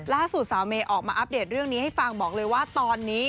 ล่าสุดสาวเมย์ออกมาอัปเดตเรื่องนี้ให้ฟังบอกเลยว่าตอนนี้